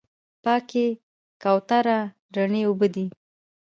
پاکې، سوتره، رڼې اوبه دي.